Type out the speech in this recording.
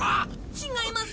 違います。